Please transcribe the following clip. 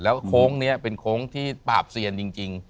แล้วโค้งเนี่ยเป็นโค้งที่ปาบเซียนจริง